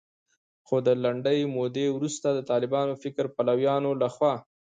خو د لنډې مودې وروسته د طالباني فکر پلویانو لخوا